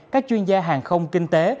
các chuyên gia hàng không kinh tế